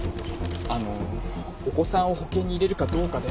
あのお子さんを保険に入れるかどうかで。